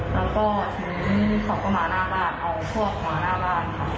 แล้วก็ถึงส่งกับหมาหน้าบ้านเอาพวกหมาหน้าบ้านค่ะ